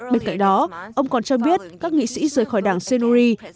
bên cạnh đó ông còn cho biết các nghị sĩ rời khỏi đảng senuri